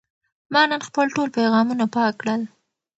ما نن خپل ټول پیغامونه پاک کړل.